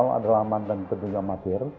eli eskical adalah mantan petinju amatir